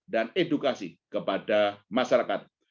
dan edukasi kepada masyarakat